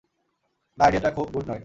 না, আইডিয়াটা খুব গুড নয়।